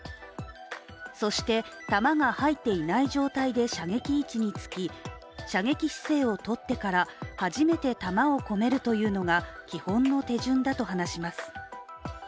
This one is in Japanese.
そして弾が入っていない状態で射撃位置につき、射撃姿勢をとってから初めて弾を込めるというのが基本の手順だと話します。